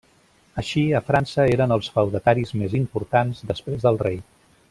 Així a França eren els feudataris més importants després del rei.